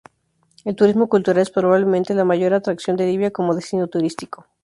El turismo cultural es probablemente la mayor atracción de Libia como destino turístico.